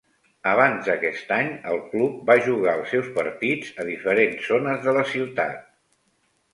Abans d'aquest any, el club va jugar els seus partits a diferents zones de la ciutat.